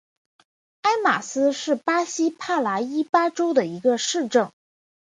埃马斯是巴西帕拉伊巴州的一个市镇。